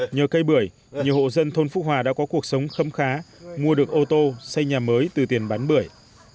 nhờ cây bưởi nhiều hộ dân thôn phúc hòa đã có cuộc sống khâm khá mua được ô tô xây nhà mới từ tiền bán bưởi